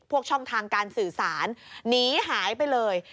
ช่องทางการสื่อสารหนีหายไปเลย